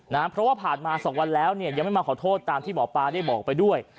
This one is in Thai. เพราะว่าผ่านมาสองวันแล้วเนี่ยยังไม่มาขอโทษตามที่หมอปลาได้บอกไปด้วย